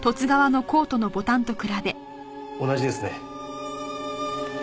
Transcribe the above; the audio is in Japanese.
同じですね。